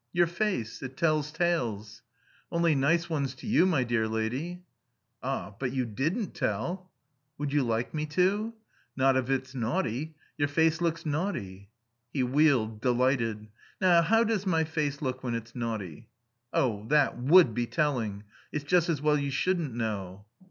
"Your face. It tells tales." "Only nice ones to you, my dear lady." "Ah, but you didn't tell " "Would you like me to?" "Not if it's naughty. Your face looks naughty." He wheeled, delighted. "Now, how does my face look when it's naughty?" "Oh, that would be telling. It's just as well you shouldn't know."